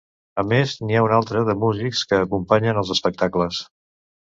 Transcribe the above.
A més, n'hi ha una altra de músics que acompanyen els espectacles.